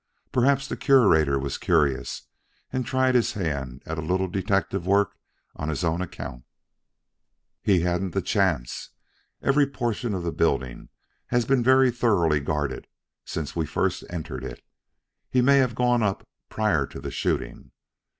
Perhaps the Curator was curious and tried his hand at a little detective work on his own account." "He hadn't the chance. Every portion of the building has been very thoroughly guarded since first we entered it. He may have gone up prior to the shooting.